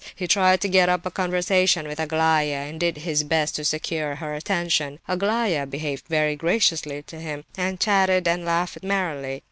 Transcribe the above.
He tried to get up a conversation with Aglaya, and did his best to secure her attention. Aglaya behaved very graciously to him, and chatted and laughed merrily.